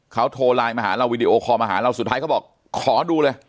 เขาโทรไลน์มาหาเราวีดีโอคอลมาหาเราสุดท้ายเขาบอกขอดูเลย